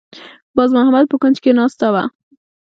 باز محمد په کونج کې ناسته وه.